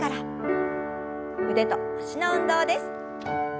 腕と脚の運動です。